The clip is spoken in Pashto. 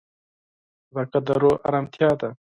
صداقت د روح ارامتیا ده.